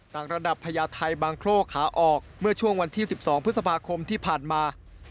ต่างระดับพญาไทยบางโคร่ขาออกเมื่อช่วงวันที่๑๒พฤษภาคมที่ผ่านมา